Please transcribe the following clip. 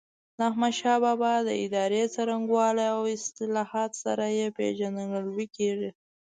د احمدشاه بابا د ادارې څرنګوالي او اصلاحاتو سره یې پيژندګلوي کېږي.